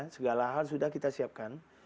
segala hal sudah kita siapkan